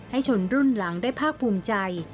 ชนรุ่นหลังได้ภาคภูมิใจ